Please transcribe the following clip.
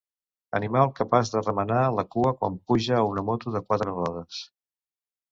Animal capaç de remenar la cua quan puja a una moto de quatre rodes.